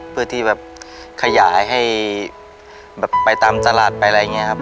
เพื่อที่แบบขยายให้แบบไปตามตลาดไปอะไรอย่างนี้ครับ